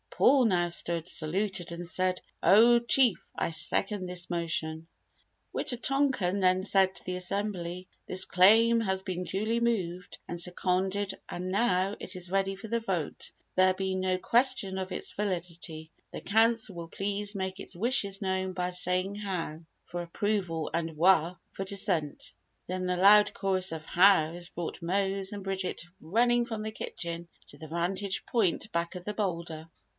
Paul now stood, saluted and said, "Oh Chief! I second this motion." Wita tonkan then said to the assembly, "This claim has been duly moved and seconded and now, it is ready for the vote, there being no question of its validity. The Council will please make its wishes known by saying 'How' for approval, and 'Wah' for dissent." Then the loud chorus of "hows" brought Mose and Bridget running from the kitchen to the vantage point back of the boulder.